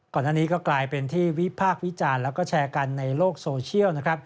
ก่อนอันนี้ก็กลายเป็นที่วิพากษ์วิจารณ์และแชร์กันในโลกโซเชียล